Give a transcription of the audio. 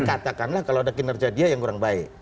katakanlah kalau ada kinerja dia yang kurang baik